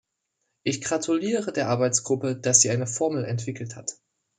Ich gratuliere der Arbeitsgruppe, dass sie eine Formel entwickelt hat.